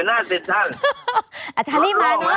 อาจารย์นี่มาแล้ว